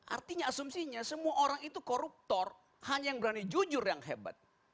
artinya asumsinya semua orang itu koruptor hanya yang berani jujur yang hebat